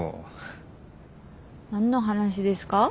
何の話ですか？